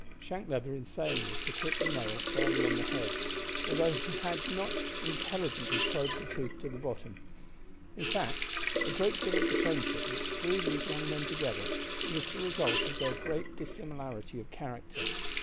Shank Leather, in saying this, had hit the nail fairly on the head, although he had not intelligently probed the truth to the bottom. In fact a great deal of the friendship which drew these young men together was the result of their great dissimilarity of character.